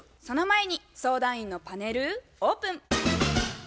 その前に相談員のパネルオープン。